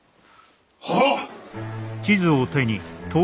はっ！